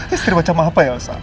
istri macam apa ya elsa